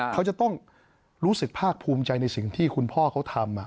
เขาจะต้องรู้สึกภาคภูมิใจในสิ่งที่คุณพ่อเขาทำ